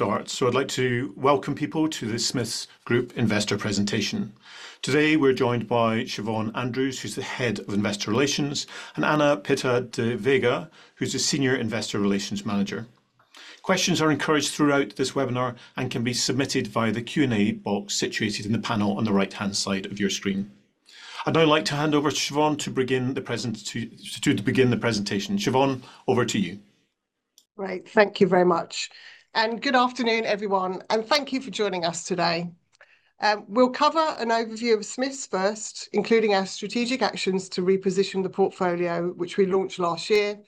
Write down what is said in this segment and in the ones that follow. I'd like to welcome people to the Smiths Group investor presentation. Today, we're joined by Siobhán Andrews, who's the Head of Investor Relations, and Ana Pita da Veiga, who's the Senior Investor Relations Manager. Questions are encouraged throughout this webinar and can be submitted via the Q&A box situated in the panel on the right-hand side of your screen. I'd now like to hand over to Siobhán to begin the presentation. Siobhán, over to you. Great. Thank you very much. Good afternoon, everyone, and thank you for joining us today. We'll cover an overview of Smiths first, including our strategic actions to reposition the portfolio, which we launched last year.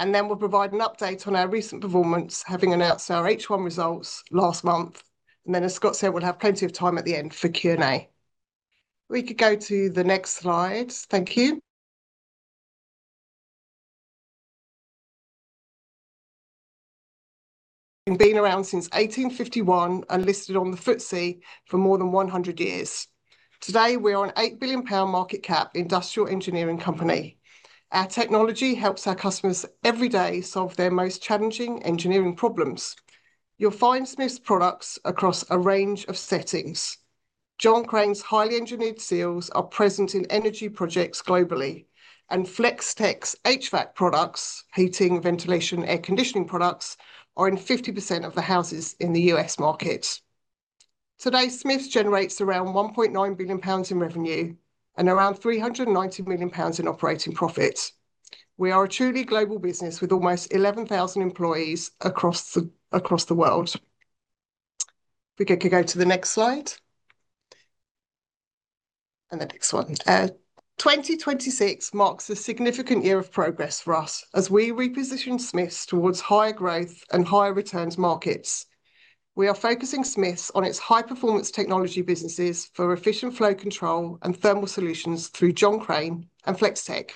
We'll provide an update on our recent performance, having announced our H1 results last month. Then, as Scott said, we'll have plenty of time at the end for Q&A. We could go to the next slide. Thank you. We've been around since 1851 and listed on the FTSE for more than 100 years. Today, we're a 8 billion pound market cap industrial engineering company. Our technology helps our customers every day solve their most challenging engineering problems. You'll find Smiths' products across a range of settings. John Crane's highly engineered seals are present in energy projects globally, and Flex-Tek's HVAC products, heating, ventilation, air conditioning products, are in 50% of the houses in the U.S. market. Today, Smiths generates around 1.9 billion pounds in revenue and around 390 million pounds in operating profit. We are a truly global business with almost 11,000 employees across the world. If we could go to the next slide. The next one. 2026 marks a significant year of progress for us as we reposition Smiths towards higher growth and higher returns markets. We are focusing Smiths on its high-performance technology businesses for efficient flow control and thermal solutions through John Crane and Flex-Tek.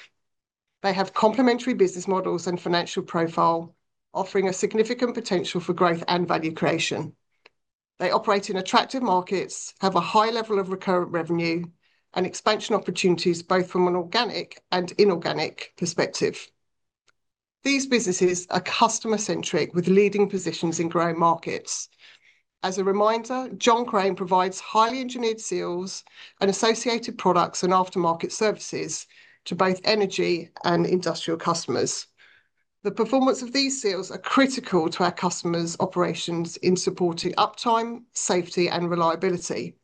They have complementary business models and financial profile, offering a significant potential for growth and value creation. They operate in attractive markets, have a high level of recurrent revenue, and expansion opportunities both from an organic and inorganic perspective. These businesses are customer-centric with leading positions in growing markets. As a reminder, John Crane provides highly engineered seals and associated products and aftermarket services to both energy and industrial customers. The performance of these seals are critical to our customers' operations in supporting uptime, safety, and reliability.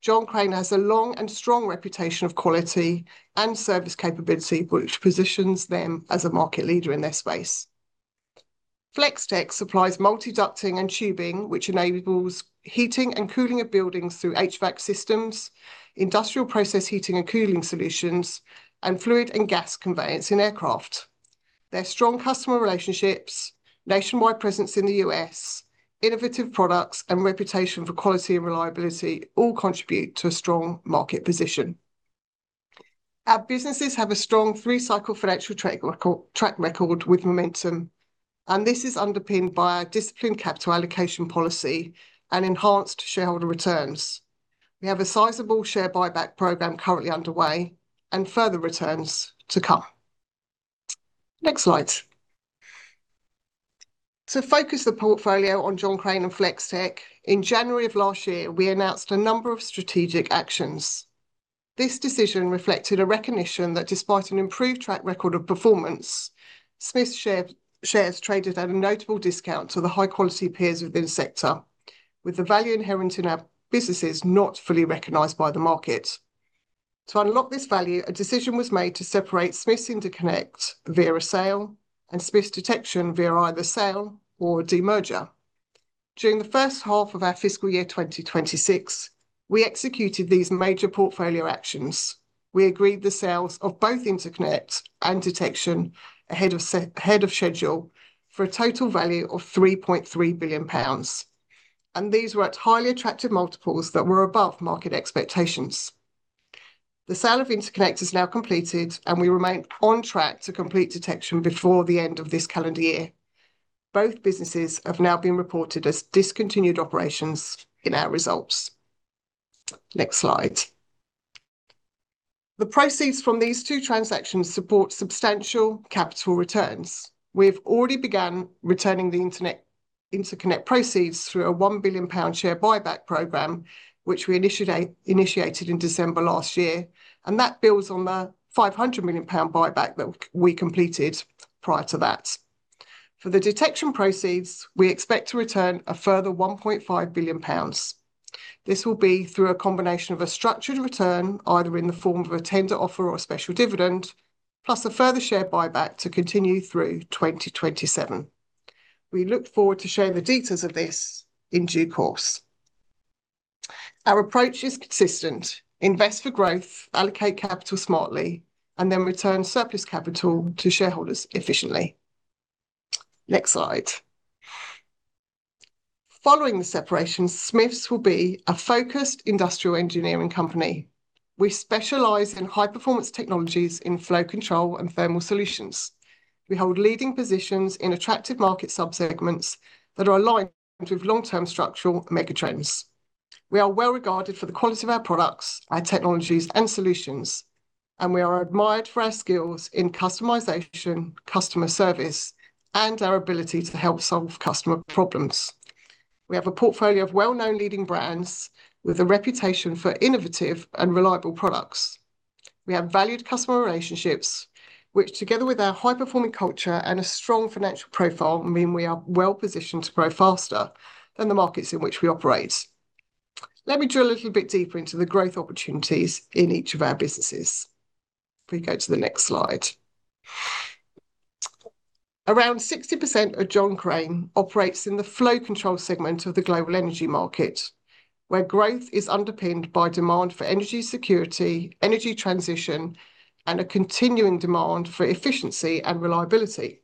John Crane has a long and strong reputation of quality and service capability, which positions them as a market leader in their space. Flex-Tek supplies multi-ducting and tubing, which enables heating and cooling of buildings through HVAC systems, industrial process heating and cooling solutions, and fluid and gas conveyance in aircraft. Their strong customer relationships, nationwide presence in the U.S., innovative products, and reputation for quality and reliability all contribute to a strong market position. Our businesses have a strong three-cycle financial track record with momentum, and this is underpinned by our disciplined capital allocation policy and enhanced shareholder returns. We have a sizable share buyback program currently underway and further returns to come. Next slide. To focus the portfolio on John Crane and Flex-Tek, in January of last year, we announced a number of strategic actions. This decision reflected a recognition that despite an improved track record of performance, Smiths shares traded at a notable discount to the high-quality peers within the sector, with the value inherent in our businesses not fully recognized by the market. To unlock this value, a decision was made to separate Smiths Interconnect via a sale and Smiths Detection via either sale or demerger. During the first half of our fiscal year 2026, we executed these major portfolio actions. We agreed the sales of both Interconnect and Detection ahead of schedule for a total value of 3.3 billion pounds. These were at highly attractive multiples that were above market expectations. The sale of Interconnect is now completed, and we remain on track to complete Detection before the end of this calendar year. Both businesses have now been reported as discontinued operations in our results. Next slide. The proceeds from these two transactions support substantial capital returns. We've already begun returning the Interconnect proceeds through a 1 billion pound share buyback program, which we initiated in December last year, and that builds on the 500 million pound buyback that we completed prior to that. For the Detection proceeds, we expect to return a further 1.5 billion pounds. This will be through a combination of a structured return, either in the form of a tender offer or a special dividend, plus a further share buyback to continue through 2027. We look forward to sharing the details of this in due course. Our approach is consistent, invest for growth, allocate capital smartly, and then return surplus capital to shareholders efficiently. Next slide. Following the separation, Smiths will be a focused industrial engineering company. We specialize in high-performance technologies in flow control and Thermal Solutions. We hold leading positions in attractive market subsegments that are aligned with long-term structural mega trends. We are well regarded for the quality of our products, our technologies and solutions, and we are admired for our skills in customization, customer service, and our ability to help solve customer problems. We have a portfolio of well-known leading brands with a reputation for innovative and reliable products. We have valued customer relationships, which, together with our high-performing culture and a strong financial profile, mean we are well-positioned to grow faster than the markets in which we operate. Let me drill a little bit deeper into the growth opportunities in each of our businesses. If we go to the next slide. Around 60% of John Crane operates in the Flow Control segment of the global energy market, where growth is underpinned by demand for energy security, energy transition, and a continuing demand for efficiency and reliability.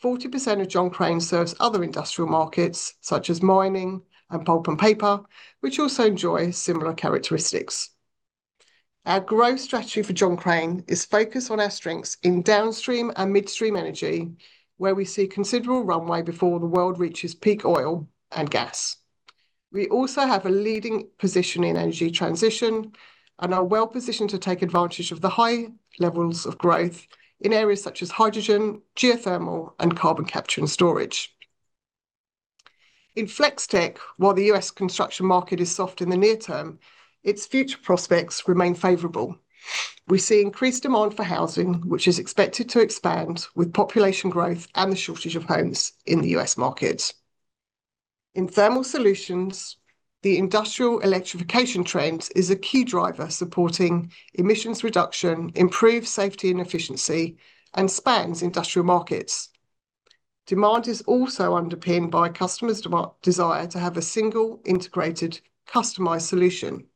40% of John Crane serves other industrial markets, such as mining and pulp and paper, which also enjoy similar characteristics. Our growth strategy for John Crane is focused on our strengths in downstream and midstream energy, where we see considerable runway before the world reaches peak oil and gas. We also have a leading position in energy transition and are well positioned to take advantage of the high levels of growth in areas such as hydrogen, geothermal, and carbon capture and storage. In Flex-Tek, while the U.S. construction market is soft in the near term, its future prospects remain favorable. We see increased demand for housing, which is expected to expand with population growth and the shortage of homes in the U.S. market. In Thermal Solutions, the industrial electrification trend is a key driver supporting emissions reduction, improved safety and efficiency, and spans industrial markets. Demand is also underpinned by customers' desire to have a single, integrated, customized solution.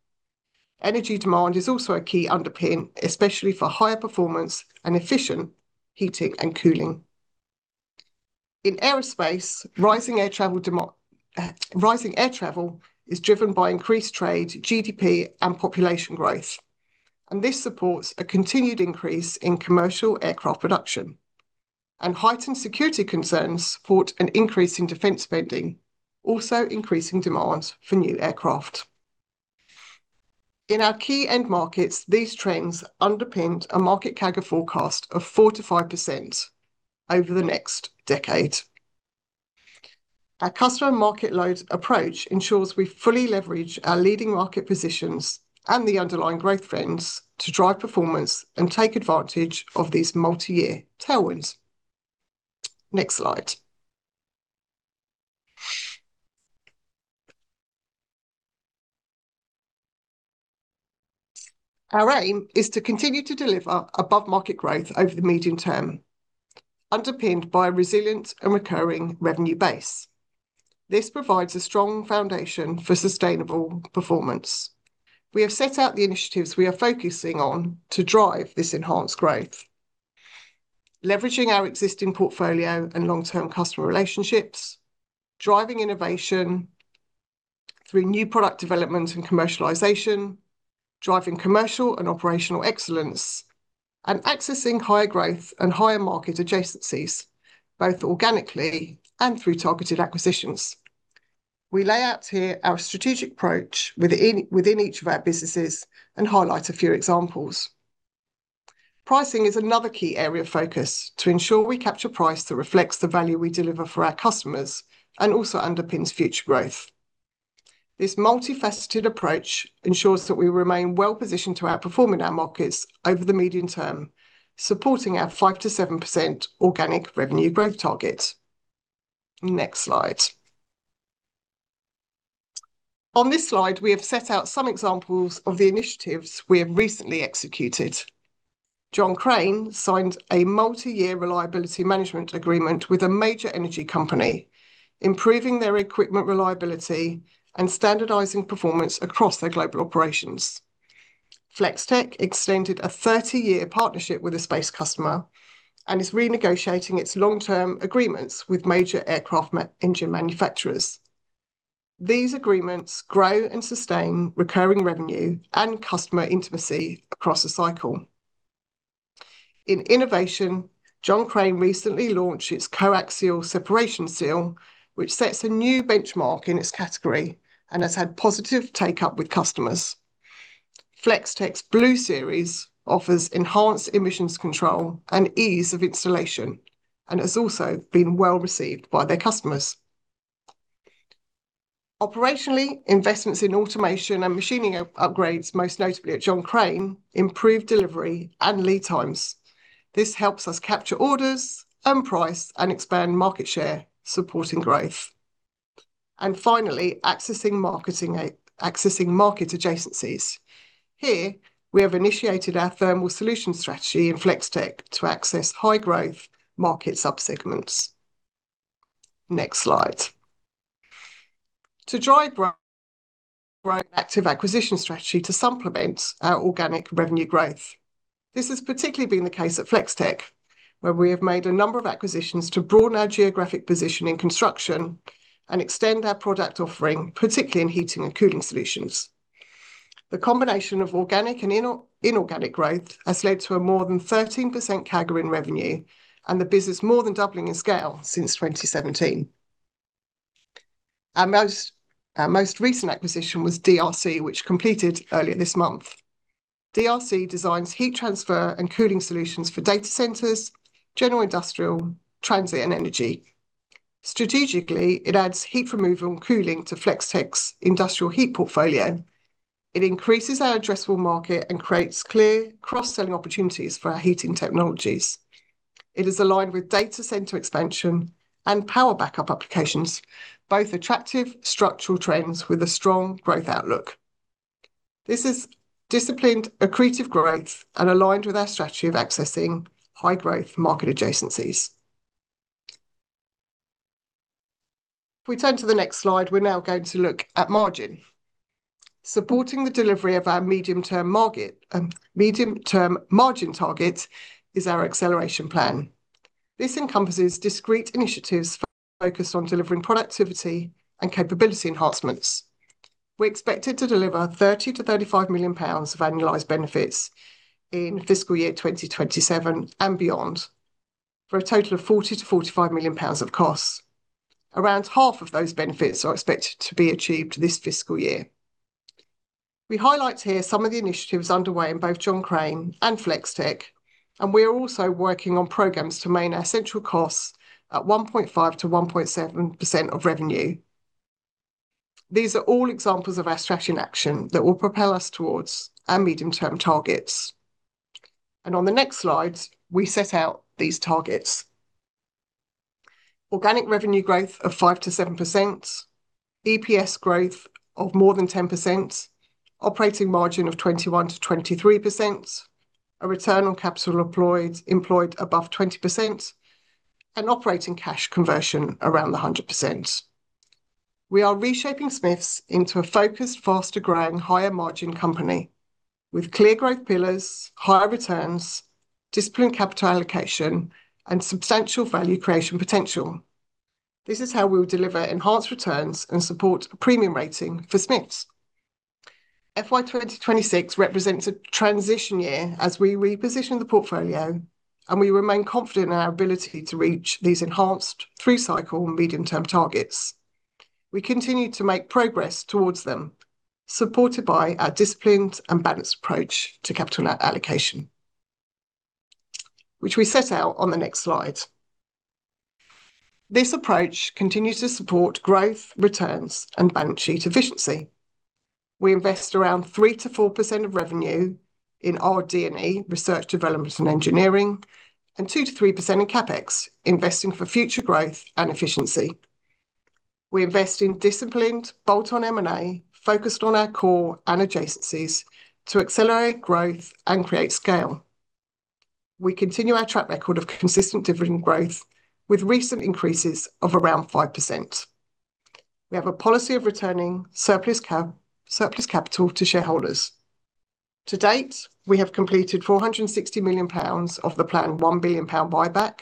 Energy demand is also a key underpin, especially for higher performance and efficient heating and cooling. In Aerospace, rising air travel is driven by increased trade, GDP, and population growth, and this supports a continued increase in commercial aircraft production. Heightened security concerns support an increase in defense spending, also increasing demand for new aircraft. In our key end markets, these trends underpinned a market CAGR forecast of 4%-5% over the next decade. Our customer market load approach ensures we fully leverage our leading market positions and the underlying growth trends to drive performance and take advantage of these multi-year tailwinds. Next slide. Our aim is to continue to deliver above market growth over the medium term, underpinned by a resilient and recurring revenue base. This provides a strong foundation for sustainable performance. We have set out the initiatives we are focusing on to drive this enhanced growth. Leveraging our existing portfolio and long-term customer relationships. Driving innovation through new product development and commercialization. Driving commercial and operational excellence. Accessing higher growth and higher market adjacencies, both organically and through targeted acquisitions. We lay out here our strategic approach within each of our businesses and highlight a few examples. Pricing is another key area of focus to ensure we capture price that reflects the value we deliver for our customers and also underpins future growth. This multifaceted approach ensures that we remain well-positioned to outperforming our markets over the medium term, supporting our 5%-7% organic revenue growth target. Next slide. On this slide, we have set out some examples of the initiatives we have recently executed. John Crane signed a multi-year reliability management agreement with a major energy company, improving their equipment reliability and standardizing performance across their global operations. Flex-Tek extended a 30-year partnership with a space customer and is renegotiating its long-term agreements with major aircraft engine manufacturers. These agreements grow and sustain recurring revenue and customer intimacy across the cycle. In innovation, John Crane recently launched its Coaxial Separation Seal, which sets a new benchmark in its category and has had positive take-up with customers. Flex-Tek's Blue Series offers enhanced emissions control and ease of installation and has also been well-received by their customers. Operationally, investments in automation and machining upgrades, most notably at John Crane, improve delivery and lead times. This helps us capture orders and price and expand market share, supporting growth. Finally, accessing market adjacencies. Here, we have initiated our Thermal Solution strategy in Flex-Tek to access high-growth market subsegments. Next slide. To drive growth, active acquisition strategy to supplement our organic revenue growth. This has particularly been the case at Flex-Tek, where we have made a number of acquisitions to broaden our geographic position in Construction and extend our product offering, particularly in heating and cooling solutions. The combination of organic and inorganic growth has led to a more than 13% CAGR in revenue and the business more than doubling in scale since 2017. Our most recent acquisition was DRC, which completed earlier this month. DRC designs heat transfer and cooling solutions for data centers, general industrial, transit, and energy. Strategically, it adds heat removal and cooling to Flex-Tek's industrial heat portfolio. It increases our addressable market and creates clear cross-selling opportunities for our heating technologies. It is aligned with data center expansion and power backup applications, both attractive structural trends with a strong growth outlook. This is disciplined, accretive growth and aligned with our strategy of accessing high growth market adjacencies. If we turn to the next slide, we're now going to look at margin. Supporting the delivery of our medium-term margin targets is our Acceleration Plan. This encompasses discrete initiatives focused on delivering productivity and capability enhancements. We expected to deliver 30 million-35 million pounds of annualized benefits in fiscal year 2027 and beyond, for a total of 40 million-45 million pounds of costs. Around half of those benefits are expected to be achieved this fiscal year. We highlight here some of the initiatives underway in both John Crane and Flex-Tek, and we are also working on programs to maintain our central costs at 1.5%-1.7% of revenue. These are all examples of our strategy in action that will propel us towards our medium-term targets. On the next slides, we set out these targets. Organic revenue growth of 5%-7%, EPS growth of more than 10%, operating margin of 21%-23%, a return on capital employed above 20%, and operating cash conversion around 100%. We are reshaping Smiths into a focused, faster growing, higher margin company with clear growth pillars, higher returns, disciplined capital allocation, and substantial value creation potential. This is how we will deliver enhanced returns and support a premium rating for Smiths. FY 2026 represents a transition year as we reposition the portfolio and we remain confident in our ability to reach these enhanced through cycle and medium-term targets. We continue to make progress towards them, supported by our disciplined and balanced approach to capital allocation, which we set out on the next slide. This approach continues to support growth, returns, and balance sheet efficiency. We invest around 3%-4% of revenue in RD&E, research, development, and engineering, and 2%-3% in CapEx, investing for future growth and efficiency. We invest in disciplined bolt-on M&A, focused on our core and adjacencies to accelerate growth and create scale. We continue our track record of consistent dividend growth with recent increases of around 5%. We have a policy of returning surplus capital to shareholders. To date, we have completed 460 million pounds of the planned 1 billion pound buyback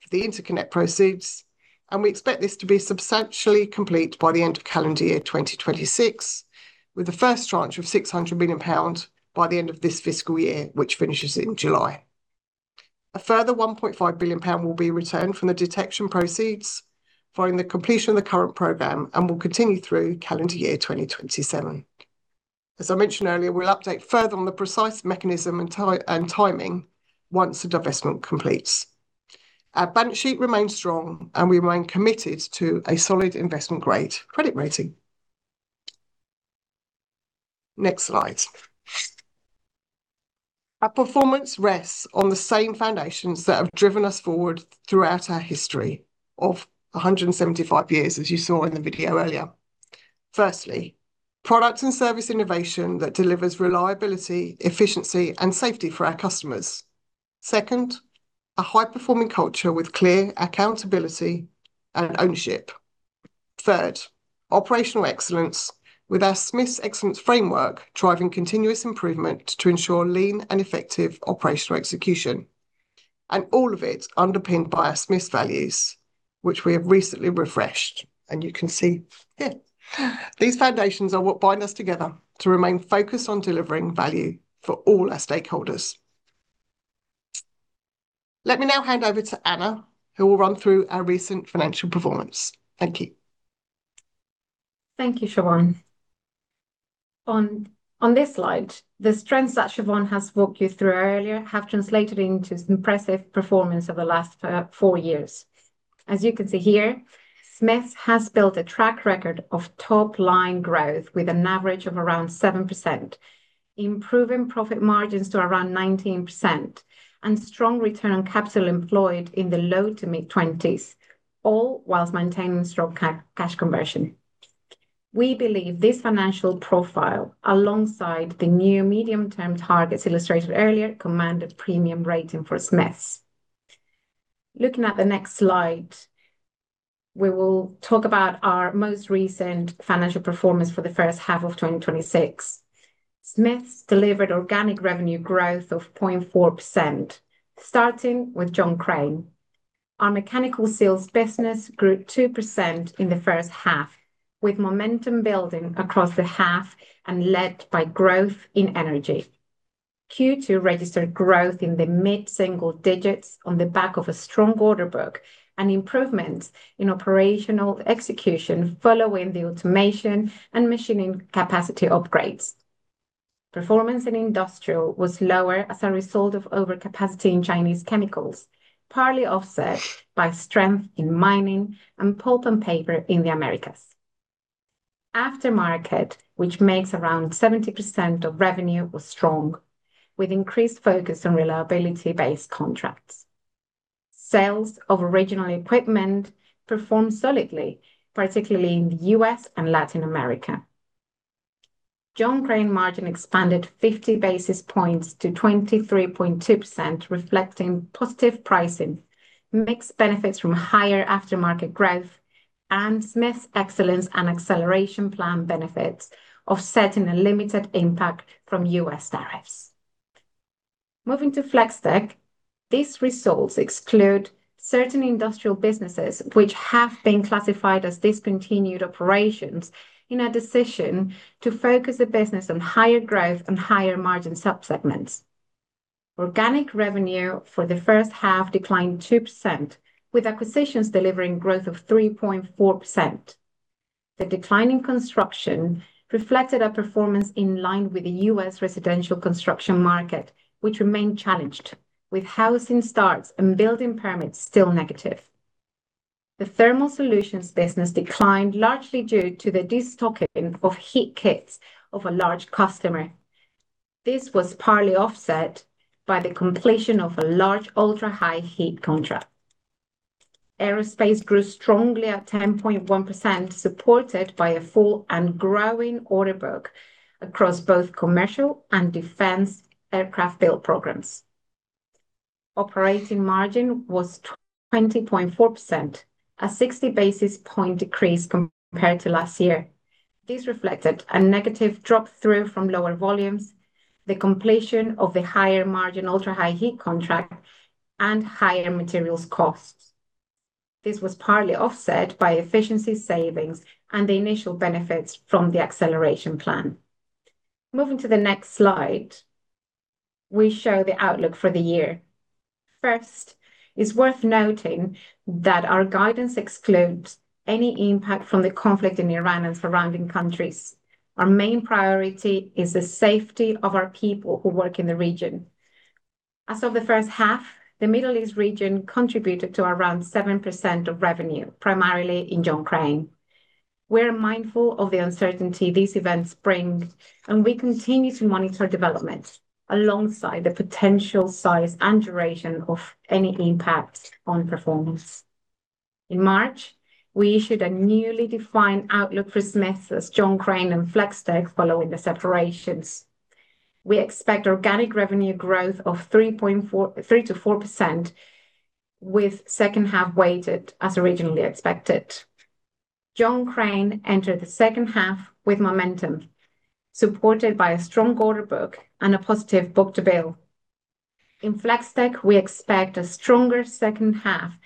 for the Interconnect proceeds, and we expect this to be substantially complete by the end of calendar year 2026, with the first tranche of 600 million pounds by the end of this fiscal year, which finishes in July. A further 1.5 billion pound will be returned from the Detection proceeds following the completion of the current program and will continue through calendar year 2027. As I mentioned earlier, we'll update further on the precise mechanism and timing once the divestment completes. Our balance sheet remains strong, and we remain committed to a solid investment-grade credit rating. Next slide. Our performance rests on the same foundations that have driven us forward throughout our history of 175 years, as you saw in the video earlier. Firstly, product and service innovation that delivers reliability, efficiency, and safety for our customers. Second, a high-performing culture with clear accountability and ownership. Third, operational excellence with our Smiths Excellence Framework driving continuous improvement to ensure lean and effective operational execution. All of it underpinned by our Smiths values, which we have recently refreshed. You can see here. These foundations are what bind us together to remain focused on delivering value for all our stakeholders. Let me now hand over to Ana, who will run through our recent financial performance. Thank you. Thank you, Siobhán. On this slide, the strengths that Siobhán has walked you through earlier have translated into impressive performance over the last four years. As you can see here, Smiths has built a track record of top-line growth with an average of around 7%, improving profit margins to around 19%, and strong return on capital employed in the low- to mid-20s%, all while maintaining strong cash conversion. We believe this financial profile, alongside the new medium-term targets illustrated earlier, command a premium rating for Smiths. Looking at the next slide, we will talk about our most recent financial performance for the first half of 2026. Smiths delivered organic revenue growth of 0.4%, starting with John Crane. Our Mechanical Seals business grew 2% in the first half, with momentum building across the half and led by growth in energy. Q2 registered growth in the mid-single digits on the back of a strong order book and improvement in operational execution following the automation and machining capacity upgrades. Performance in industrial was lower as a result of overcapacity in Chinese chemicals, partly offset by strength in mining and pulp and paper in the Americas. Aftermarket, which makes around 70% of revenue, was strong, with increased focus on reliability-based contracts. Sales of original equipment performed solidly, particularly in the U.S. and Latin America. John Crane margin expanded 50 basis points to 23.2%, reflecting positive pricing, mixed benefits from higher aftermarket growth, and Smiths Excellence and Acceleration Plan benefits, offsetting a limited impact from U.S. tariffs. Moving to Flex-Tek, these results exclude certain industrial businesses which have been classified as discontinued operations in a decision to focus the business on higher growth and higher margin sub-segments. Organic revenue for the first half declined 2%, with acquisitions delivering growth of 3.4%. The decline in Construction reflected a performance in line with the U.S. residential construction market, which remained challenged, with housing starts and building permits still negative. The Thermal Solutions business declined largely due to the destocking of heat kits of a large customer. This was partly offset by the completion of a large ultra-high heat contract. Aerospace grew strongly at 10.1%, supported by a full and growing order book across both commercial and defense aircraft build programs. Operating margin was 20.4%, a 60 basis point decrease compared to last year. This reflected a negative drop-through from lower volumes, the completion of the higher margin ultra-high heat contract, and higher materials costs. This was partly offset by efficiency savings and the initial benefits from the Acceleration Plan. Moving to the next slide, we show the outlook for the year. First, it's worth noting that our guidance excludes any impact from the conflict in Iran and surrounding countries. Our main priority is the safety of our people who work in the region. As of the first half, the Middle East region contributed to around 7% of revenue, primarily in John Crane. We're mindful of the uncertainty these events bring, and we continue to monitor developments alongside the potential size and duration of any impact on performance. In March, we issued a newly defined outlook for Smiths as John Crane and Flex-Tek following the separations. We expect organic revenue growth of 3%-4%, with second half weighted as originally expected. John Crane entered the second half with momentum, supported by a strong order book and a positive book-to-bill. In Flex-Tek, we expect a stronger second half,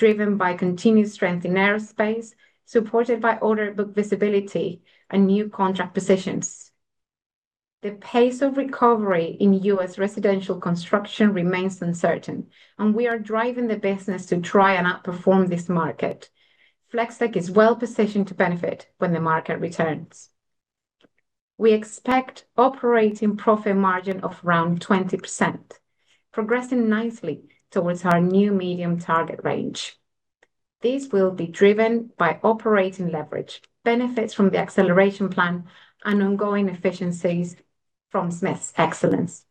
driven by continued strength in Aerospace, supported by order book visibility and new contract positions. The pace of recovery in U.S. residential construction remains uncertain, and we are driving the business to try and outperform this market. Flex-Tek is well positioned to benefit when the market returns. We expect operating profit margin of around 20%, progressing nicely towards our new medium-term target range. This will be driven by operating leverage, benefits from the Acceleration Plan, and ongoing efficiencies from Smiths Excellence.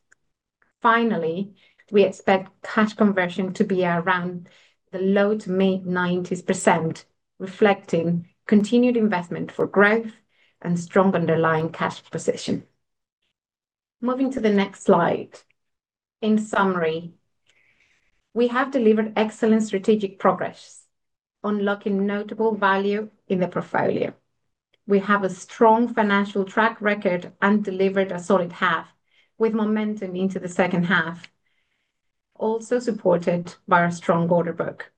Finally, we expect cash conversion to be around the low to mid-90s%, reflecting continued investment for growth and strong underlying cash position. Moving to the next slide. In summary, we have delivered excellent strategic progress, unlocking notable value in the portfolio. We have a strong financial track record and delivered a solid half, with momentum into the second half, also supported by our strong order book.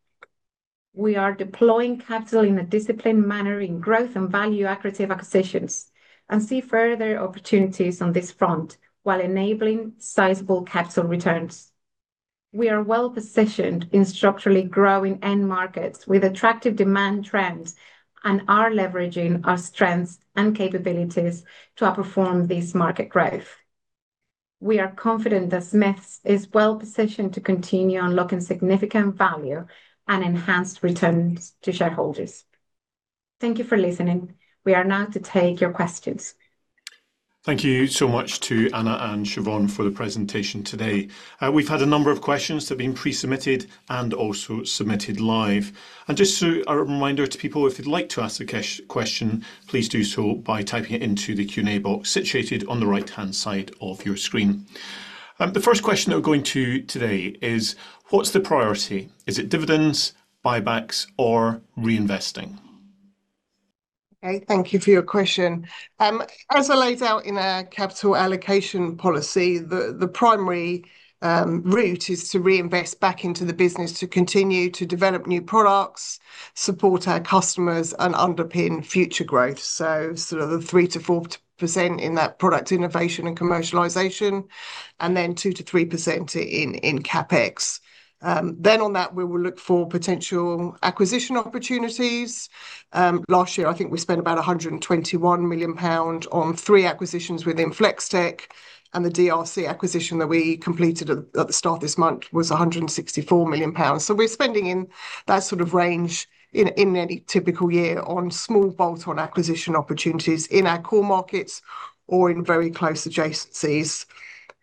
We are deploying capital in a disciplined manner in growth and value accretive acquisitions and see further opportunities on this front while enabling sizable capital returns. We are well positioned in structurally-growing end markets with attractive demand trends and are leveraging our strengths and capabilities to outperform this market growth. We are confident that Smiths is well positioned to continue unlocking significant value and enhanced returns to shareholders. Thank you for listening. We are now ready to take your questions. Thank you so much to Ana and Siobhán for the presentation today. We've had a number of questions that have been pre-submitted and also submitted live. Just a reminder to people, if you'd like to ask a question, please do so by typing it into the Q&A box situated on the right-hand side of your screen. The first question that we're going to today is, what's the priority? Is it dividends, buybacks, or reinvesting? Okay, thank you for your question. As I laid out in our capital allocation policy, the primary route is to reinvest back into the business to continue to develop new products, support our customers, and underpin future growth. The 3%-4% in that product innovation and commercialization, and then 2%-3% in CapEx. On that, we will look for potential acquisition opportunities. Last year, I think we spent about 121 million pounds on three acquisitions within Flex-Tek, and the DRC acquisition that we completed at the start of this month was 164 million pounds. We're spending in that sort of range in any typical year on small bolt-on acquisition opportunities in our core markets or in very close adjacencies.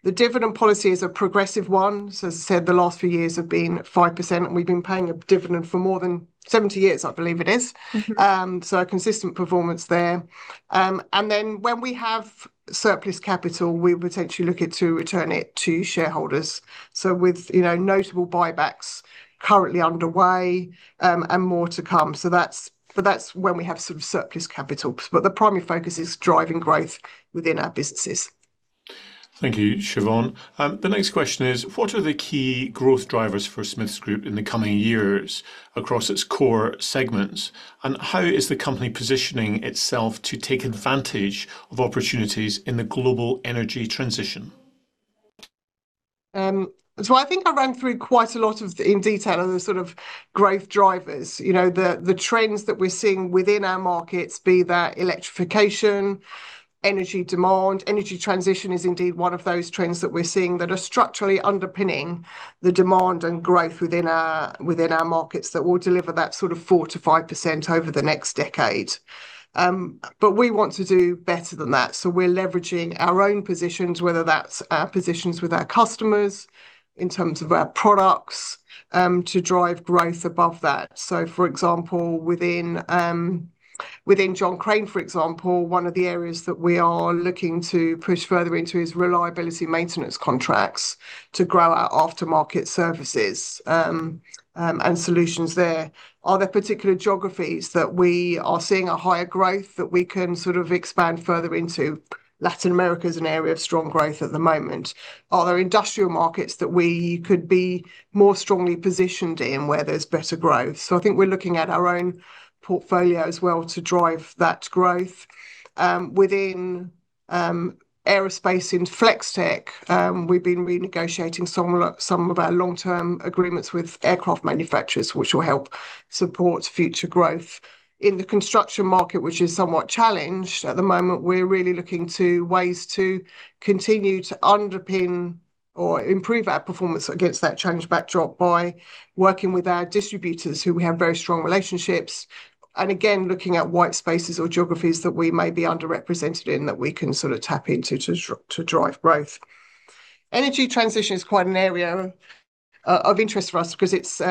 The dividend policy is a progressive one. As I said, the last few years have been 5%, and we've been paying a dividend for more than 70 years, I believe it is. A consistent performance there. When we have surplus capital, we would potentially look at to return it to shareholders with notable buybacks currently underway, and more to come. That's when we have surplus capital. The primary focus is driving growth within our businesses. Thank you, Siobhán. The next question is: What are the key growth drivers for Smiths Group in the coming years across its core segments? How is the company positioning itself to take advantage of opportunities in the global energy transition? I think I ran through quite a lot of, in detail, the sort of growth drivers. The trends that we're seeing within our markets, be that electrification, energy demand. Energy transition is indeed one of those trends that we're seeing that are structurally underpinning the demand and growth within our markets that will deliver that 4%-5% over the next decade. We want to do better than that, so we're leveraging our own positions, whether that's our positions with our customers in terms of our products, to drive growth above that. For example, within John Crane, for example, one of the areas that we are looking to push further into is reliability maintenance contracts to grow our aftermarket services and solutions there. Are there particular geographies that we are seeing a higher growth that we can expand further into? Latin America is an area of strong growth at the moment. Are there industrial markets that we could be more strongly positioned in where there's better growth? I think we're looking at our own portfolio as well to drive that growth. Within Aerospace, in Flex-Tek, we've been renegotiating some of our long-term agreements with aircraft manufacturers, which will help support future growth. In the construction market, which is somewhat challenged at the moment, we're really looking to ways to continue to underpin or improve our performance against that challenged backdrop by working with our distributors who we have very strong relationships. Again, looking at white spaces or geographies that we may be underrepresented in, that we can tap into to drive growth. Energy transition is quite an area of interest for us because it's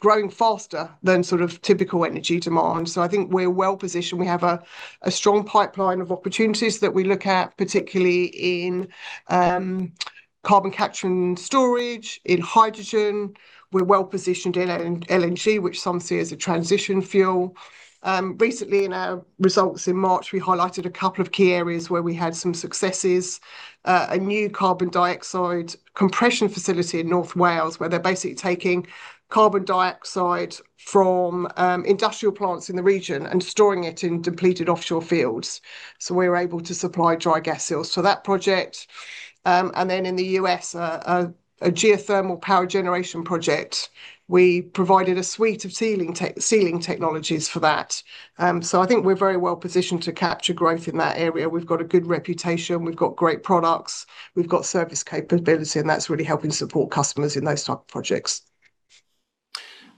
growing faster than typical energy demand. I think we're well-positioned. We have a strong pipeline of opportunities that we look at, particularly in carbon capture and storage, in hydrogen. We're well positioned in LNG, which some see as a transition fuel. Recently in our results in March, we highlighted a couple of key areas where we had some successes, a new carbon dioxide compression facility in North Wales, where they're basically taking carbon dioxide from industrial plants in the region and storing it in depleted offshore fields. We were able to supply dry gas seals for that project. In the U.S., a geothermal power generation project. We provided a suite of sealing technologies for that. I think we're very well positioned to capture growth in that area. We've got a good reputation, we've got great products, we've got service capability, and that's really helping support customers in those type of projects.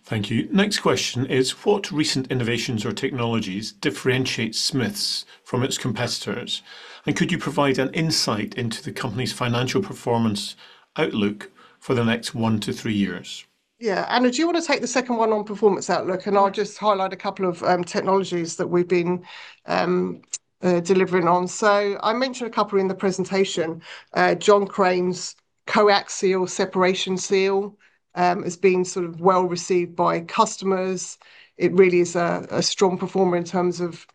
Thank you. Next question is, what recent innovations or technologies differentiate Smiths from its competitors? Could you provide an insight into the company's financial performance outlook for the next one to three years? Yeah. Ana, do you want to take the second one on performance outlook, and I'll just highlight a couple of technologies that we've been delivering on? I mentioned a couple in the presentation. John Crane's Coaxial Separation Seal has been well received by customers. It really is a strong performer in terms of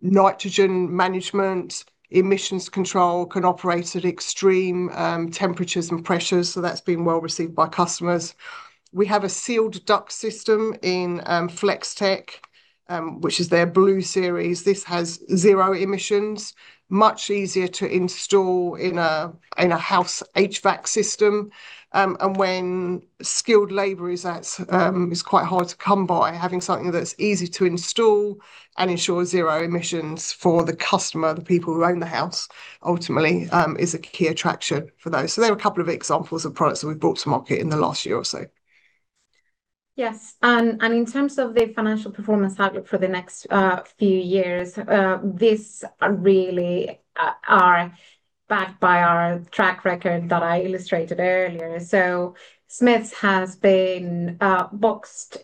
nitrogen management, emissions control, can operate at extreme temperatures and pressures, so that's been well received by customers. We have a sealed duct system in Flex-Tek, which is their Blue Series. This has zero emissions, much easier to install in a house HVAC system. When skilled labor is quite hard to come by, having something that's easy to install and ensures zero emissions for the customer, the people who own the house, ultimately, is a key attractor for those. There are a couple of examples of products that we've brought to market in the last year or so. Yes. In terms of the financial performance outlook for the next few years, these really are backed by our track record that I illustrated earlier. Smiths has been boxed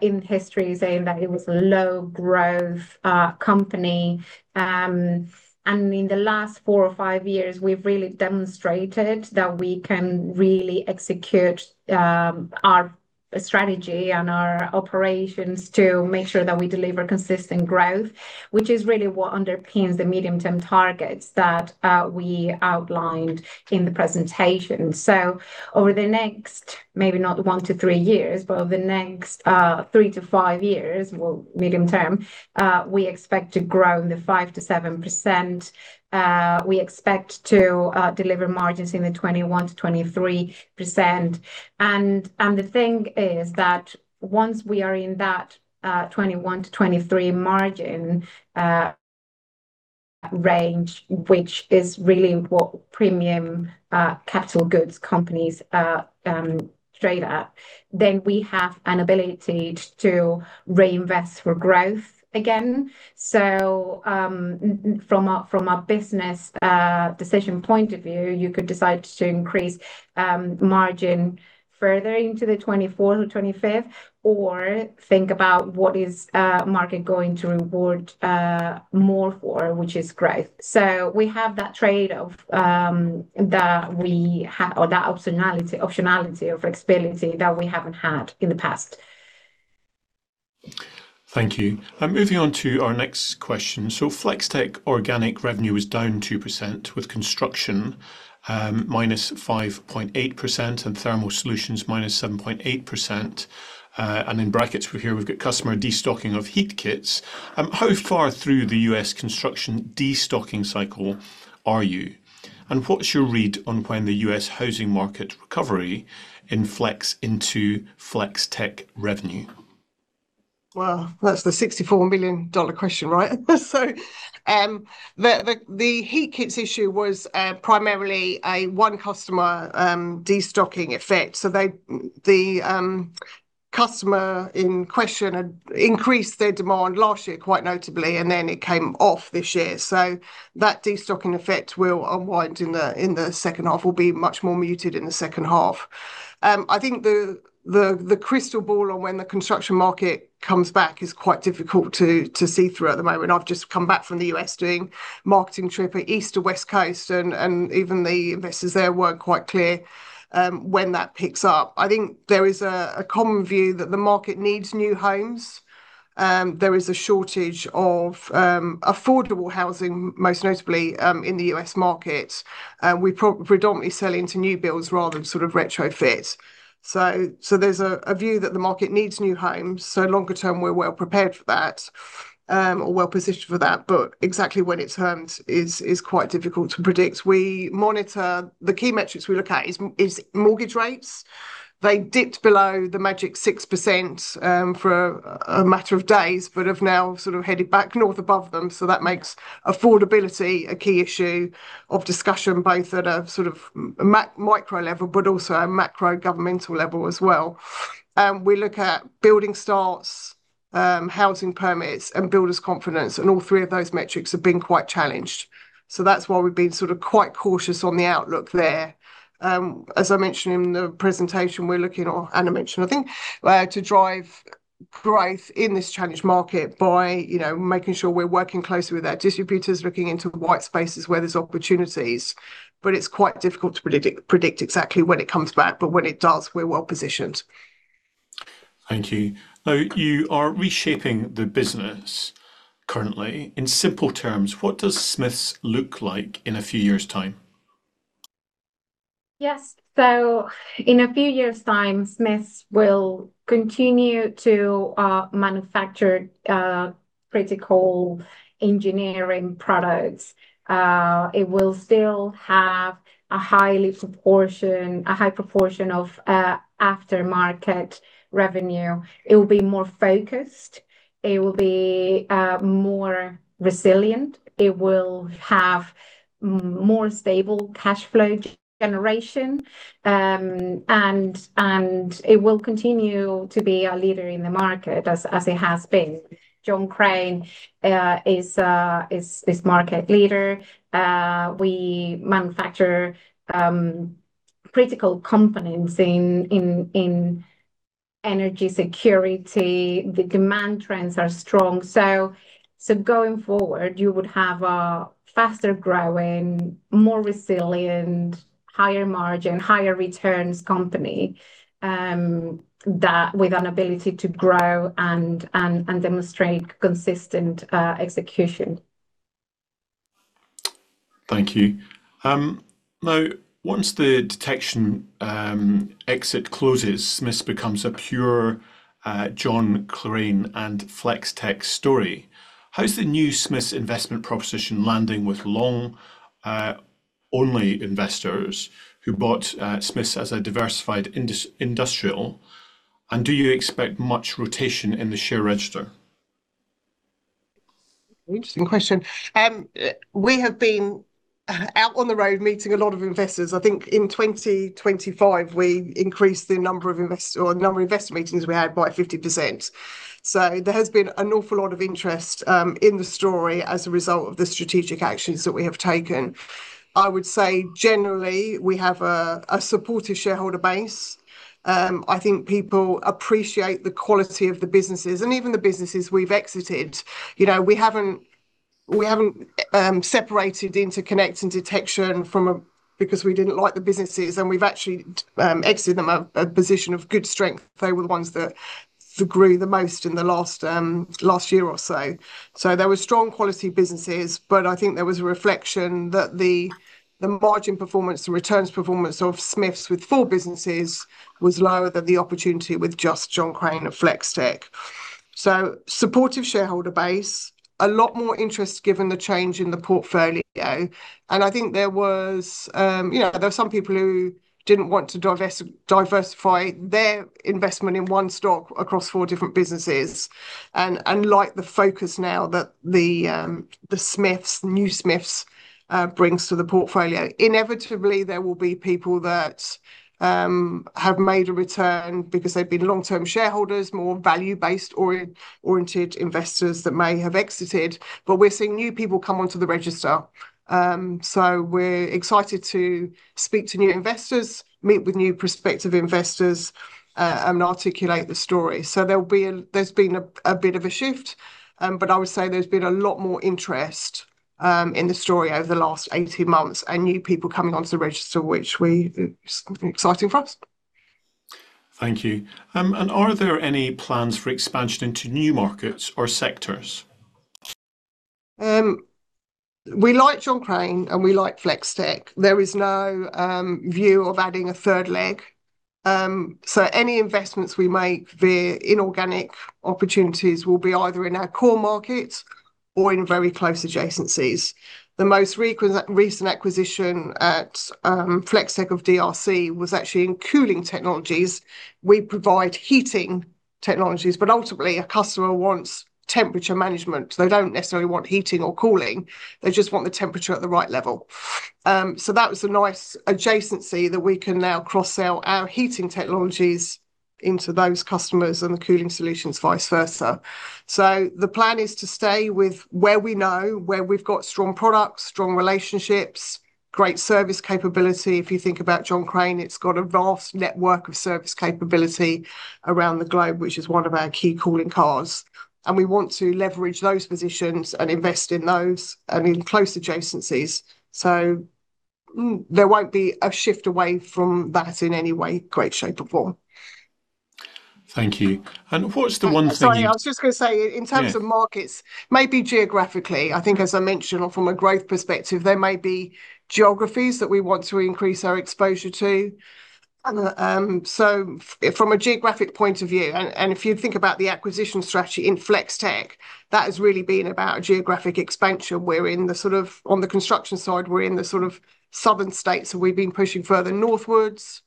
in history saying that it was a low growth company. In the last four or five years, we've really demonstrated that we can really execute our strategy and our operations to make sure that we deliver consistent growth, which is really what underpins the medium-term targets that we outlined in the presentation. Over the next, maybe not one to three years, but over the next three to five years, well, medium term, we expect to grow in the 5%-7%. We expect to deliver margins in the 21%-23%. The thing is that once we are in that 21%-23% margin range, which is really what premium capital goods companies trade at, then we have an ability to reinvest for growth again. From a business decision point of view, you could decide to increase margin further into the 24% or 25%, or think about what is market going to reward more for, which is growth. We have that trade or that optionality of flexibility that we haven't had in the past. Thank you. Moving on to our next question. Flex-Tek organic revenue was down 2% with Construction -5.8% and Thermal Solutions -7.8%. In brackets here we've got customer destocking of heat kits. How far through the U.S. construction destocking cycle are you? What's your read on when the U.S. housing market recovery inflects into Flex-Tek revenue? Well, that's the $64 million question, right? The heat kits issue was primarily a one customer destocking effect. The customer in question had increased their demand last year, quite notably, and then it came off this year. That destocking effect will unwind in the second half, or be much more muted in the second half. I think the crystal ball on when the construction market comes back is quite difficult to see through at the moment. I've just come back from the U.S. doing a marketing trip from East to West Coast and even the investors there weren't quite clear when that picks up. I think there is a common view that the market needs new homes. There is a shortage of affordable housing, most notably in the U.S. market. We predominantly sell into new builds rather than sort of retrofit. There's a view that the market needs new homes. Longer term, we're well prepared for that, or well-positioned for that. Exactly when it turns is quite difficult to predict. We monitor...the key metrics we look at is mortgage rates. They dipped below the magic 6% for a matter of days, but have now sort of headed back north above them. That makes affordability a key issue of discussion, both at a sort of micro level, but also a macro governmental level as well. We look at building starts, housing permits and builders confidence, and all three of those metrics have been quite challenged. That's why we've been sort of quite cautious on the outlook there. As I mentioned in the presentation, we're looking. Ana mentioned, I think, to drive growth in this challenged market by making sure we're working closely with our distributors, looking into white spaces where there's opportunities. It's quite difficult to predict exactly when it comes back. When it does, we're well-positioned. Thank you. Now, you are reshaping the business currently. In simple terms, what does Smiths look like in a few years' time? Yes. In a few years' time, Smiths will continue to manufacture critical engineering products. It will still have a high proportion of aftermarket revenue. It will be more focused, it will be more resilient, it will have more stable cash flow generation. It will continue to be a leader in the market as it has been. John Crane is this market leader. We manufacture critical components in energy security. The demand trends are strong. Going forward, you would have a faster growing, more resilient, higher margin, higher returns company, with an ability to grow and demonstrate consistent execution. Thank you. Now, once the Detection exit closes, Smiths becomes a pure John Crane and Flex-Tek story. How's the new Smiths investment proposition landing with long only investors who bought Smiths as a diversified industrial? Do you expect much rotation in the share register? Interesting question. We have been out on the road meeting a lot of investors. I think in 2025, we increased the number of invest meetings we had by 50%. There has been an awful lot of interest in the story as a result of the strategic actions that we have taken. I would say generally, we have a supportive shareholder base. I think people appreciate the quality of the businesses and even the businesses we've exited. We haven't separated Interconnect and Detection because we didn't like the businesses, and we've actually exited them at a position of good strength. They were the ones that grew the most in the last year or so. They were strong quality businesses, but I think there was a reflection that the margin performance and returns performance of Smiths with four businesses was lower than the opportunity with just John Crane and Flex-Tek. Supportive shareholder base, a lot more interest given the change in the portfolio, and I think there was some people who didn't want to diversify their investment in one stock across four different businesses, and like the focus now that the new Smiths brings to the portfolio. Inevitably, there will be people that have made a return because they've been long-term shareholders, more value-based oriented investors that may have exited. We're seeing new people come onto the register. We're excited to speak to new investors, meet with new prospective investors, and articulate the story. There's been a bit of a shift, but I would say there's been a lot more interest in the story over the last 18 months and new people coming onto the register, which is exciting for us. Thank you. Are there any plans for expansion into new markets or sectors? We like John Crane, and we like Flex-Tek. There is no view of adding a third leg. Any investments we make via inorganic opportunities will be either in our core markets or in very close adjacencies. The most recent acquisition at Flex-Tek of DRC was actually in cooling technologies. We provide heating technologies, but ultimately, a customer wants temperature management. They don't necessarily want heating or cooling. They just want the temperature at the right level. That was a nice adjacency that we can now cross-sell our heating technologies into those customers and the cooling solutions, vice versa. The plan is to stay with where we know, where we've got strong products, strong relationships, great service capability. If you think about John Crane, it's got a vast network of service capability around the globe, which is one of our key calling cards. We want to leverage those positions and invest in those and in close adjacencies. There won't be a shift away from that in any way, shape, or form. Thank you. What's the one thing- Sorry, I was just going to say, in terms of markets, maybe geographically, I think as I mentioned from a growth perspective, there may be geographies that we want to increase our exposure to. From a geographic point of view, and if you think about the acquisition strategy in Flex-Tek, that has really been about geographic expansion. We're in the sort of, on the Construction side, we're in the sort of southern states, and we've been pushing further northwards.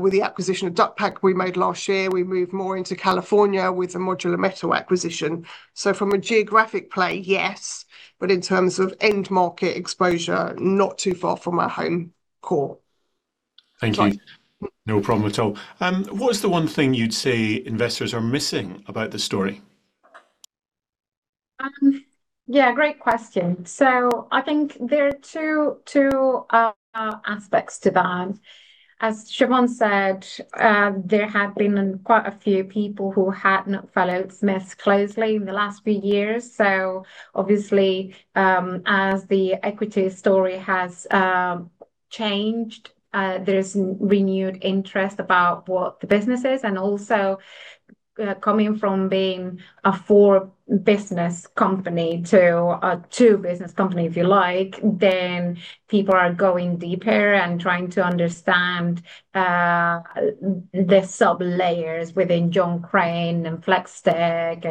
With the acquisition of Duc-Pac we made last year, we moved more into California with the Modular Metal acquisition. From a geographic play, yes. In terms of end market exposure, not too far from our home core. Thank you. Sorry. No problem at all. What is the one thing you'd say investors are missing about this story? Yeah, great question. I think there are two aspects to that. As Siobhán said, there have been quite a few people who had not followed Smiths closely in the last few years. Obviously, as the equity story has changed, there is renewed interest about what the business is and also coming from being a four-business company to a two-business company, if you like. People are going deeper and trying to understand the sublayers within John Crane and Flex-Tek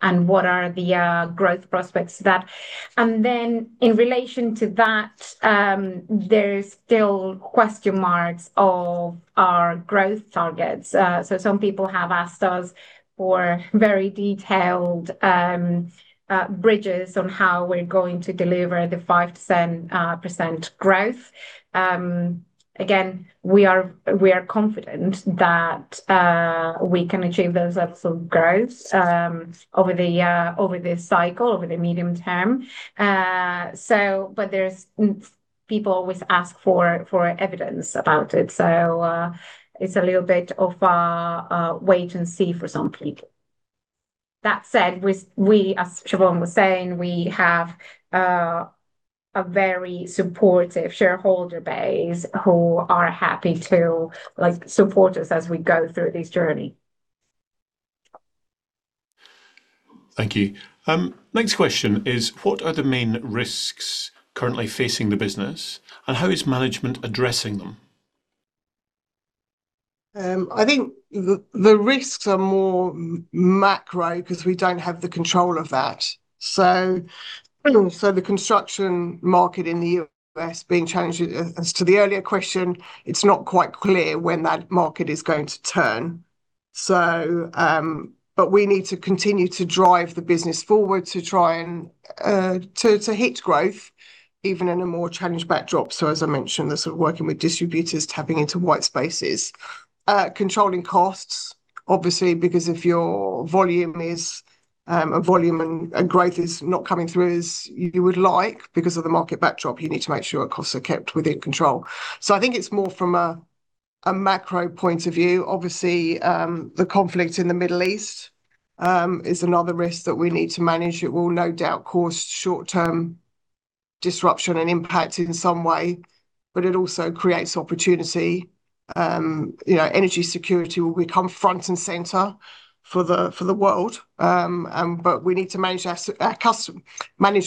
and what are the growth prospects of that. In relation to that, there's still question marks of our growth targets. Some people have asked us for very detailed bridges on how we're going to deliver the 5% growth. Again, we are confident that we can achieve those absolute growths over this cycle, over the medium term. People always ask for evidence about it, so it's a little bit of a wait and see for some people. That said, we, as Siobhán was saying, we have a very supportive shareholder base who are happy to support us as we go through this journey. Thank you. Next question is, what are the main risks currently facing the business, and how is management addressing them? I think the risks are more macro because we don't have the control of that. The construction market in the U.S. being challenged, as to the earlier question, it's not quite clear when that market is going to turn. We need to continue to drive the business forward to try and to hit growth, even in a more challenged backdrop. As I mentioned, the sort of working with distributors, tapping into white spaces. Controlling costs, obviously, because if your volume and growth is not coming through as you would like because of the market backdrop, you need to make sure costs are kept within control. I think it's more from a macro point of view, obviously, the conflict in the Middle East is another risk that we need to manage. It will no doubt cause short-term disruption and impact in some way, but it also creates opportunity. Energy security will become front and center for the world. We need to manage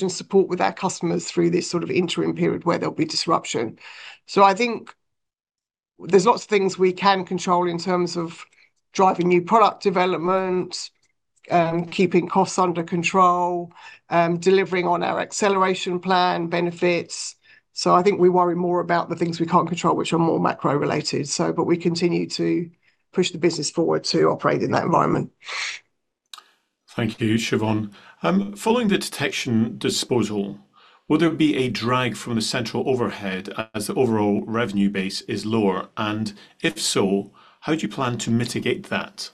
and support with our customers through this sort of interim period where there'll be disruption. I think there's lots of things we can control in terms of driving new product development, keeping costs under control, delivering on our Acceleration Plan benefits. I think we worry more about the things we can't control, which are more macro-related. We continue to push the business forward to operate in that environment. Thank you, Siobhán. Following the Detection disposal, will there be a drag from the central overhead as the overall revenue base is lower? If so, how do you plan to mitigate that?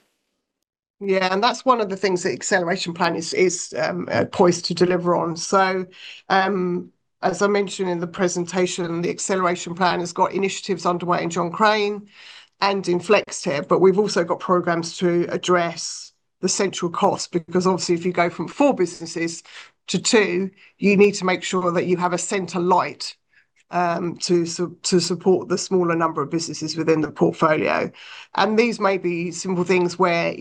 Yeah. That's one of the things the Acceleration Plan is poised to deliver on. As I mentioned in the presentation, the Acceleration Plan has got initiatives underway in John Crane and in Flex-Tek, but we've also got programs to address the central cost because obviously if you go from four businesses to two, you need to make sure that you have a center light to support the smaller number of businesses within the portfolio. These may be simple things where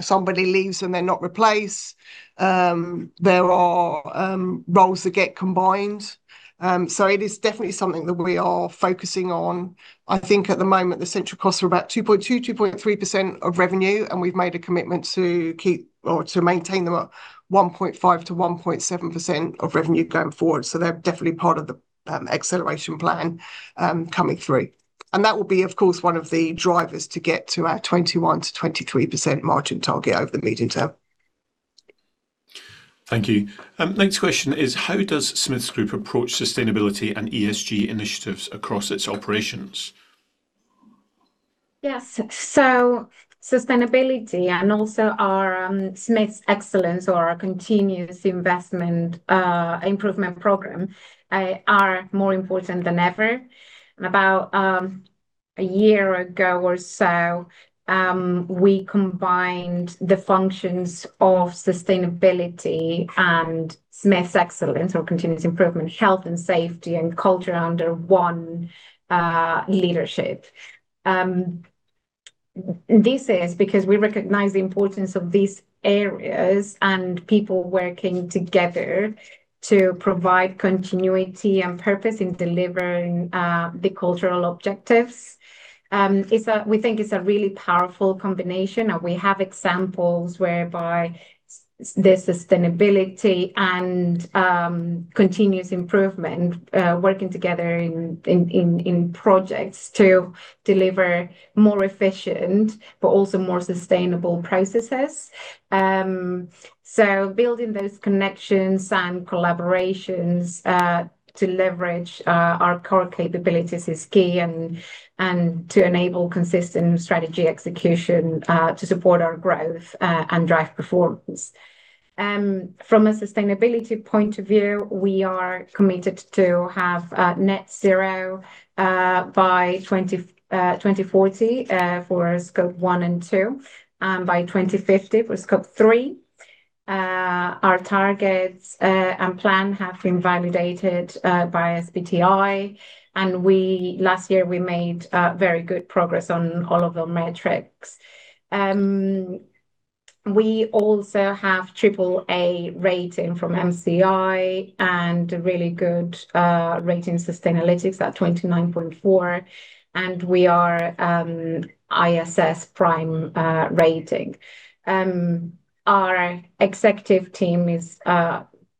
somebody leaves and they're not replaced. There are roles that get combined. It is definitely something that we are focusing on. I think at the moment, the central costs are about 2.2%-2.3% of revenue, and we've made a commitment to maintain them at 1.5%-1.7% of revenue going forward. They're definitely part of the Acceleration Plan coming through. That will be, of course, one of the drivers to get to our 21%-23% margin target over the medium term. Thank you. Next question is, how does Smiths Group approach sustainability and ESG initiatives across its operations? Yes. Sustainability and also our Smiths Excellence or our continuous improvement program are more important than ever. About a year ago or so, we combined the functions of sustainability and Smiths Excellence or continuous improvement, health and safety and culture under one leadership. This is because we recognize the importance of these areas and people working together to provide continuity and purpose in delivering the cultural objectives. We think it's a really powerful combination, and we have examples whereby the sustainability and continuous improvement working together in projects to deliver more efficient but also more sustainable processes. Building those connections and collaborations to leverage our core capabilities is key, and to enable consistent strategy execution to support our growth and drive performance. From a sustainability point of view, we are committed to have Net Zero by 2040 for Scope 1 and 2, by 2050 for Scope 3. Our targets and plan have been validated by SBTi, and last year we made very good progress on all of the metrics. We also have AAA rating from MSCI and a really good rating from Sustainalytics at 29.4, and we are ISS Prime rating. Our executive team is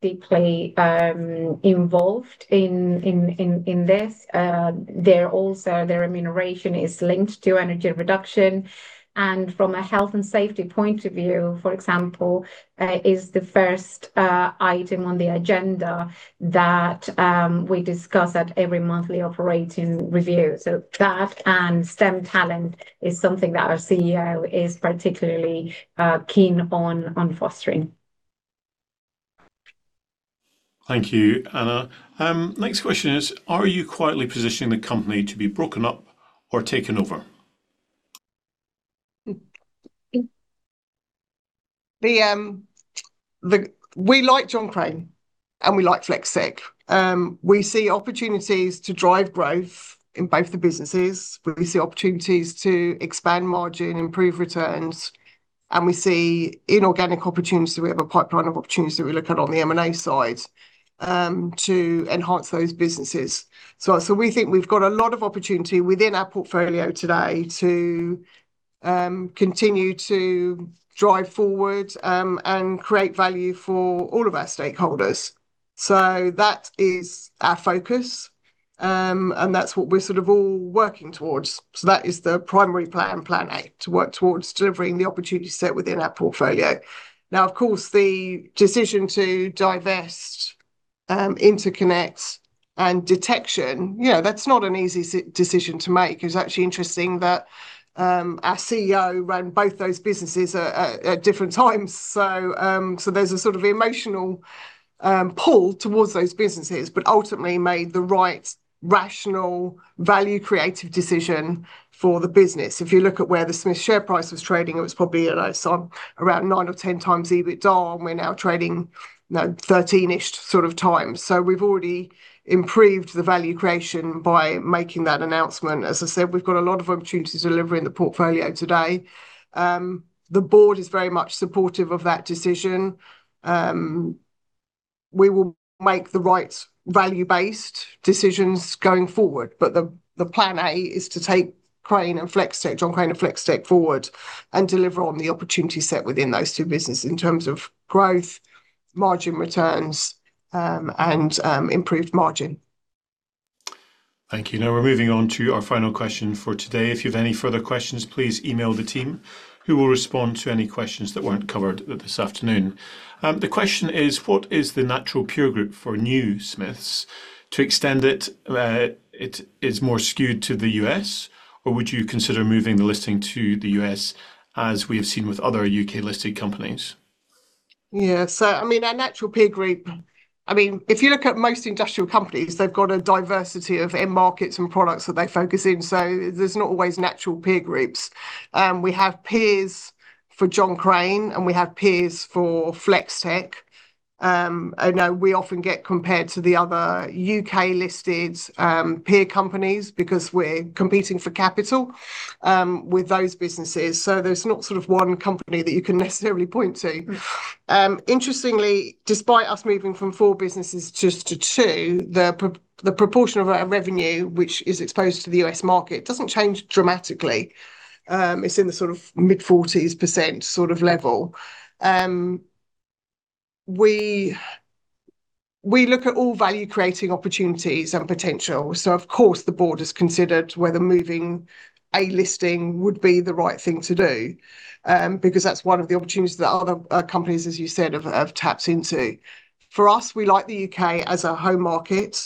deeply involved in this. Also, their remuneration is linked to energy reduction, and from a health and safety point of view, for example, is the first item on the agenda that we discuss at every monthly operating review. That and STEM talent is something that our CEO is particularly keen on fostering. Thank you, Ana. Next question is, are you quietly positioning the company to be broken up or taken over? We like John Crane, and we like Flex-Tek. We see opportunities to drive growth in both the businesses. We see opportunities to expand margin, improve returns, and we see inorganic opportunities. We have a pipeline of opportunities that we look at on the M&A side to enhance those businesses. We think we've got a lot of opportunity within our portfolio today to continue to drive forward, and create value for all of our stakeholders. That is our focus, and that's what we're sort of all working towards. That is the primary plan A, to work towards delivering the opportunity set within our portfolio. Now, of course, the decision to divest Interconnect and Detection. Yeah, that's not an easy decision to make. It was actually interesting that our CEO ran both those businesses at different times. There's a sort of emotional pull towards those businesses, but ultimately made the right rational, value creative decision for the business. If you look at where the Smiths share price was trading, it was probably at around 9x or 10x EBITDA, and we're now trading 13-ish sort of times. We've already improved the value creation by making that announcement. As I said, we've got a lot of opportunities delivering the portfolio today. The board is very much supportive of that decision. We will make the right value-based decisions going forward. The plan A is to take Crane and Flex-Tek, John Crane and Flex-Tek forward and deliver on the opportunity set within those two businesses in terms of growth, margin returns, and improved margin. Thank you. Now we're moving on to our final question for today. If you have any further questions, please email the team who will respond to any questions that weren't covered this afternoon. The question is, what is the natural peer group for new Smiths? To extend it is more skewed to the U.S. or would you consider moving the listing to the U.S. as we have seen with other U.K.-listed companies? Yeah. I mean, our natural peer group, if you look at most industrial companies, they've got a diversity of end markets and products that they focus in. There's not always natural peer groups. We have peers for John Crane and we have peers for Flex-Tek. I know we often get compared to the other U.K.-listed peer companies because we're competing for capital with those businesses. There's not sort of one company that you can necessarily point to. Interestingly, despite us moving from four businesses just to two, the proportion of our revenue, which is exposed to the U.S. market, doesn't change dramatically. It's in the sort of mid-40s% sort of level. We look at all value-creating opportunities and potential. Of course, the Board has considered whether moving a listing would be the right thing to do, because that's one of the opportunities that other companies, as you said, have tapped into. For us, we like the U.K. as a home market.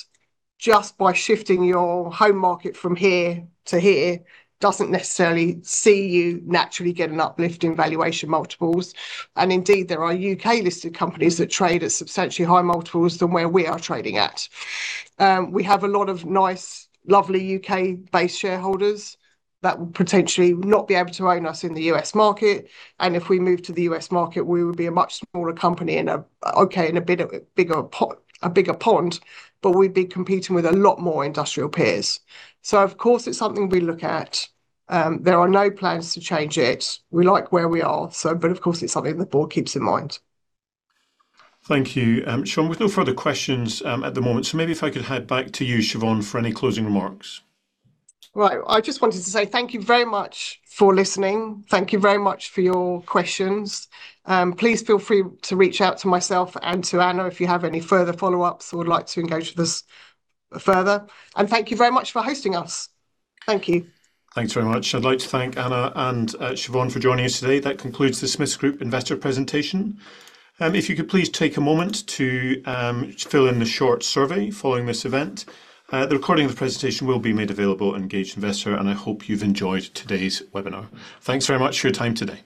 Just by shifting your home market from here to here, doesn't necessarily see you naturally get an uplift in valuation multiples. Indeed, there are U.K.-listed companies that trade at substantially higher multiples than where we are trading at. We have a lot of nice, lovely U.K.-based shareholders that would potentially not be able to own us in the U.S. market. If we move to the U.S. market, we would be a much smaller company in a bit of a bigger pond, but we'd be competing with a lot more industrial peers. Of course, it's something we look at. There are no plans to change it. We like where we are. Of course, it's something the Board keeps in mind. Thank you. Siobhán, with no further questions at the moment, so maybe if I could head back to you, Siobhán, for any closing remarks. Right. I just wanted to say thank you very much for listening. Thank you very much for your questions. Please feel free to reach out to myself and to Ana if you have any further follow-ups or would like to engage with us further. Thank you very much for hosting us. Thank you. Thanks very much. I'd like to thank Ana and Siobhán for joining us today. That concludes the Smiths Group investor presentation. If you could please take a moment to fill in the short survey following this event. The recording of the presentation will be made available on Engage Investor, and I hope you've enjoyed today's webinar. Thanks very much for your time today.